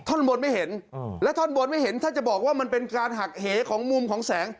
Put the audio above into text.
ท่อนบนไม่เห็นและท่อนบนไม่เห็นถ้าจะบอกว่ามันเป็นการหักเหของมุมของแสง